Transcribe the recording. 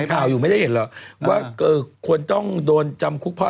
พี่หนุ่มซื้ออย่างไร๓๐๐๐ค่อนข้างก็ไม่กี่ทรัพย์